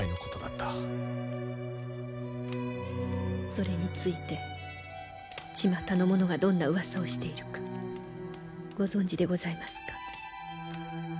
それについてちまたの者がどんなうわさをしているかご存じでございますか？